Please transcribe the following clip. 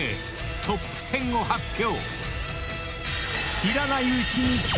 トップ１０を発表］